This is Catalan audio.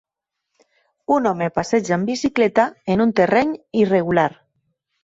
Un home passeja en bicicleta en un terreny irregular.